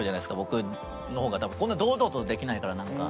僕の方が多分こんな堂々とできないからなんか。